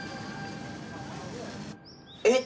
えっ！